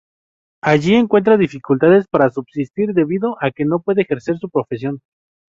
Allí encuentra dificultades para subsistir debido a que no puede ejercer su profesión.